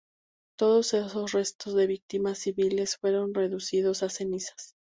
Todos esos restos de víctimas civiles fueron reducidos a cenizas.